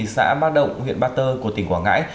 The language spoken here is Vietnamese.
xã ba động huyện ba tơ của tỉnh quảng ngãi